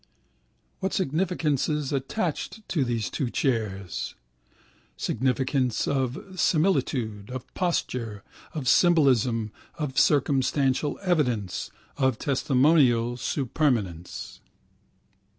What significances attached to these two chairs? Significances of similitude, of posture, of symbolism, of circumstantial evidence, of testimonial supermanence.